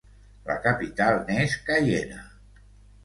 La capital n'és Caiena.